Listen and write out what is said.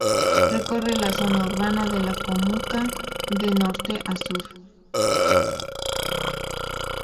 Recorre la zona urbana de la comuna de norte a sur.